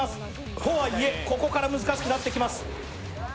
とはいえ、ここから難しくなってきます。